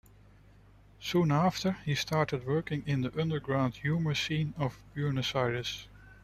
Soon after he started working in the underground humour scene of Buenos Aires.